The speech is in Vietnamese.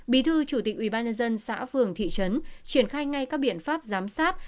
bí thư chủ tịch ubnd xã phường thị trấn triển khai ngay các biện pháp giám sát